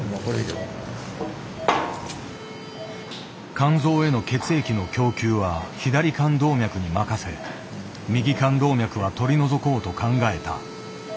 肝臓への血液の供給は左肝動脈に任せ右肝動脈は取り除こうと考えた。